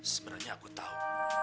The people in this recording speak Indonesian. sebenarnya aku tahu